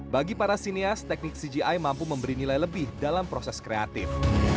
bagi para sineas teknik cgi mampu memberi nilai lebih dalam proses kreatif